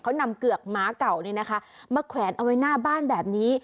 เขานำเกือกม้าเก่ามาแขวนเอาไว้หน้าบ้านแบบนี้